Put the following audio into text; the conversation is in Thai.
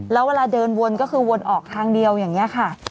แล้วเวลาเดินวนก็คือวนออกทางเดียวอย่างนี้ค่ะ